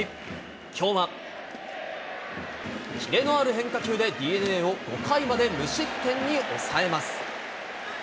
きょうは、キレのある変化球で、ＤｅＮＡを５回まで無失点に抑えます。